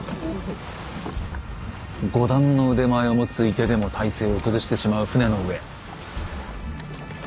五段の腕前を持つ射手でも体勢を崩してしまう船の上。